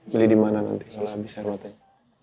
beli dimana nanti kalau abis hermatanya